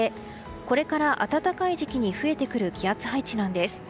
これから暖かい時期に増えてくる気圧配置なんです。